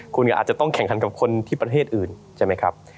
คุณก็อาจจะต้องแข่งขันกับคนที่ประเทศอื่นใช่ไหมครับ